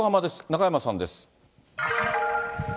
中山さんです。